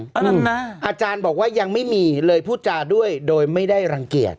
อันนั้นนะอาจารย์บอกว่ายังไม่มีเลยพูดจาด้วยโดยไม่ได้รังเกียจ